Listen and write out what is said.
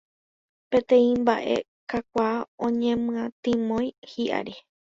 Peteĩ mbaʼe kakuaa oñemyatymói hiʼári.